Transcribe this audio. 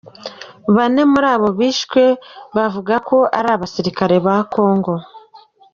Bane muri abo bishwe buvugwa ko ari abasirikare ba Kongo.